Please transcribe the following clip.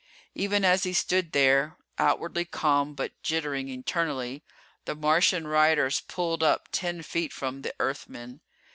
Even as he stood there, outwardly calm but jittering internally, the Martian riders pulled up ten feet from the Earthmen.